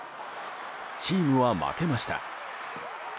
チームは負けました。